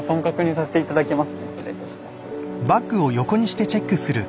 失礼いたします。